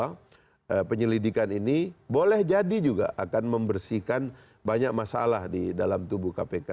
karena penyelidikan ini boleh jadi juga akan membersihkan banyak masalah di dalam tubuh kpk